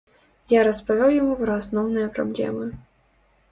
Я распавёў яму пра асноўныя праблемы.